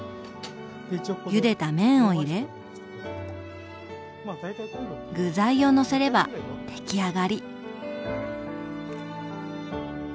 ゆでた麺を入れ具材をのせれば出来上がり！